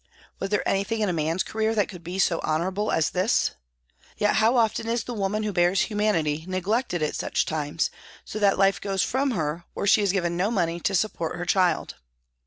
Was there anything in a man's career that could be so honourable as this ? Yet how often is the woman who bears humanity neglected at such times, so that life goes from her, or she is 12 PRISONS AND PRISONERS given no money to support her child.